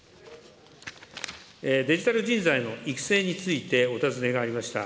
デジタル人材の育成についてお尋ねがありました。